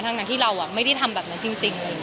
ทั้งที่เราไม่ได้ทำแบบนั้นจริง